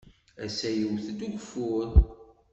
Ass-a yewwet-d ugeffur.